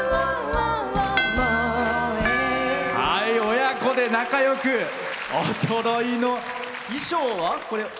親子で仲よくおそろいの衣装は、これ。